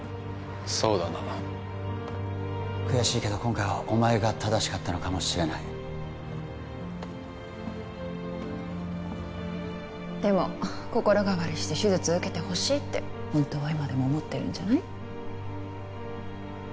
そうだな悔しいけど今回はお前が正しかったのかもしれないでも心変わりして手術受けてほしいって本当は今でも思ってるんじゃない？